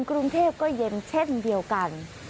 กรุงเทพก็เย็นเช่นเดียวกัน